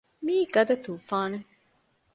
މިއީ ގަދަ ތޫފާނެއް